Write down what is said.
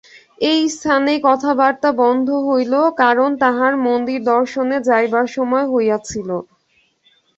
এই স্থানেই কথাবার্তা বন্ধ হইল, কারণ তাঁহার মন্দিরদর্শনে যাইবার সময় হইয়াছিল।